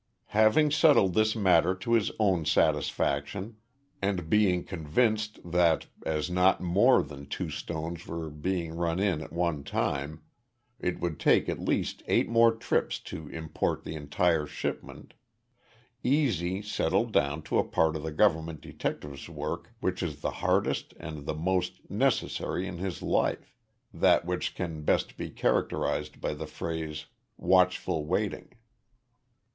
Having settled this matter to his own satisfaction and being convinced that, as not more than two stones were being run in at one time, it would take at least eight more trips to import the entire shipment, "E. Z." settled down to a part of the government detective's work which is the hardest and the most necessary in his life that which can best be characterized by the phrase "watchful waiting."